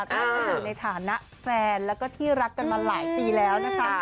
ก็คืออยู่ในฐานะแฟนแล้วก็ที่รักกันมาหลายปีแล้วนะคะ